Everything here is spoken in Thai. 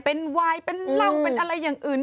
เป็นวายเป็นเหล้าเป็นอะไรอย่างอื่น